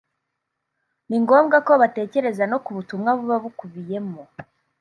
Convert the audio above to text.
ni ngombwa ko batekereza no ku butumwa buba bukubiyemo